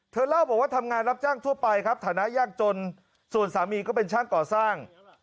เล่าบอกว่าทำงานรับจ้างทั่วไปครับฐานะยากจนส่วนสามีก็เป็นช่างก่อสร้าง